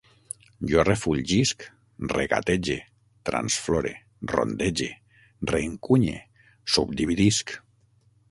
Jo refulgisc, regatege, transflore, rondege, reencunye, subdividisc